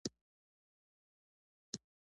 تېل انرژي ده.